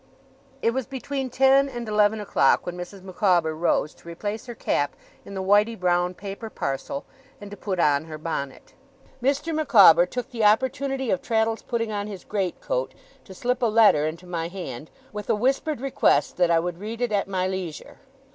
It was between ten and eleven o'clock when Mrs. Micawber rose to replace her cap in the whitey brown paper parcel, and to put on her bonnet. Mr. Micawber took the opportunity of Traddles putting on his great coat, to slip a letter into my hand, with a whispered request that I would read it at my leisure.